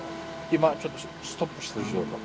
今ちょっとストップしてる仕事。